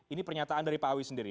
ini pernyataan dari pak awi sendiri